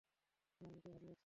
আমার মোটেও হাসি পাচ্ছে না।